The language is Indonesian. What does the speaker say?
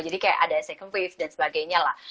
jadi kayak ada second wave dan sebagainya lah